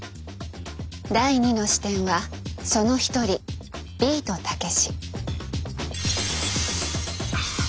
第２の視点はその一人ビートたけし。